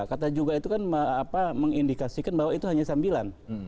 kata juga itu kan mengindikasikan bahwa itu hanya sambilan